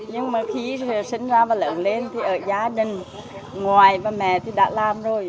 nhưng mà khi sinh ra và lớn lên thì ở gia đình ngoài và mẹ thì đã làm rồi